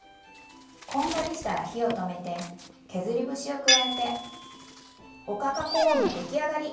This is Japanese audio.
こんがりしたら火を止めて削り節を加えておかかコーンの出来上がり！